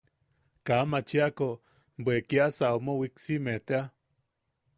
Kaa machiako, bwe kiasa omo wiksiime tea.